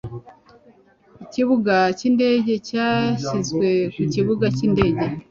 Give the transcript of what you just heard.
Ikibuga cyindege cyashyizwe ku kibuga cyindege.